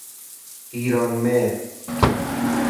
ایرانمهر